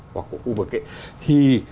hoặc của khu vực ấy thì